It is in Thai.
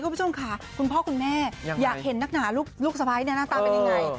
คุณพ่อคุณแม่อยากเห็นนักหนาลูกสะพายนี่น่ะน่าตาเป็นยังไง